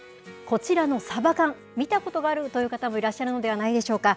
こちらのサバ缶、見たことがあるという方もいらっしゃるのではないでしょうか。